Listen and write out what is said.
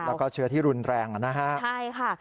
แล้วก็เชื้อที่รุนแรงนะฮะใช่ค่ะ